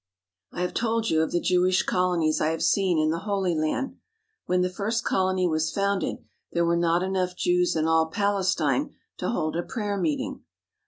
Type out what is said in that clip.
I have told you of the Jewish colonies I have seen in the Holy Land. When the first colony was founded there were not enough Jews in all Palestine to hold a prayer meeting.